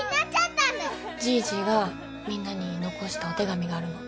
「じいじがみんなに残したお手紙があるの」